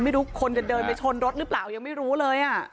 ไม่รู้คนจะเดินไปชนรถหรือเปล่ายังไม่รู้เลย